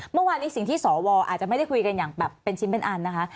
เมื่อวานนี้สิ่งที่สวอาจจะไม่ได้คุยกันอย่างแบบเป็นชิ้นเป็นอันนะคะ